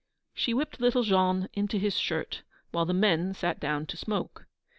_' she whipped little Jean into his shirt, while the men sat down to smoke.